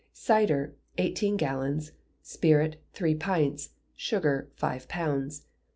Cider, eighteen gallons; spirit, three pints; sugar, five pounds.